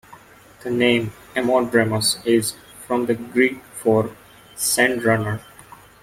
The name "Ammodramus" is from the Greek for "sand runner".